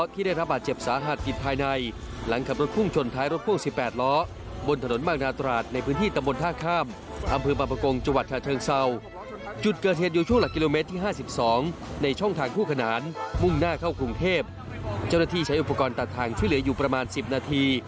การตัดทางช่วยเหลืออยู่ประมาณสิบนาที